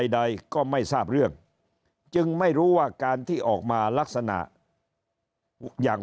ใดก็ไม่ทราบเรื่องจึงไม่รู้ว่าการที่ออกมาลักษณะอย่าง